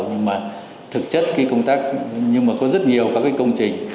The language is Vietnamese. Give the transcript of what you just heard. nhưng mà thực chất khi công tác nhưng mà có rất nhiều các cái công trình